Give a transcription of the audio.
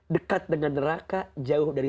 dekat dengan neraka jauh dari